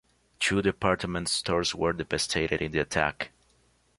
Two department stores were devastated in the attack.